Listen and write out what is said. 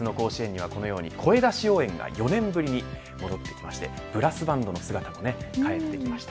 夏の甲子園にはこのように声出し応援が４年ぶりに戻ってきましてブラスバンドの姿も帰ってきました。